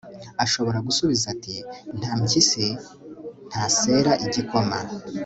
ashobora gusubiza, ati «nta mpyisi ntasera igikoma